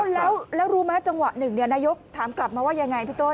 แล้วรู้ไหมจังหวะหนึ่งนายกถามกลับมาว่ายังไงพี่โต๊